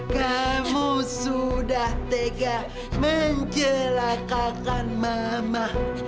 kamu sudah tega mencelakakan mama